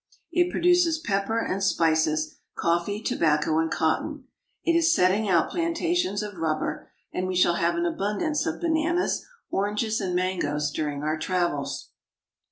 It produces pepper and spices, coffee, tobacco, and cotton. It is setting out plantations of rubber, and we shall have an abundance of bananas, oranges, and mangoes during our travels.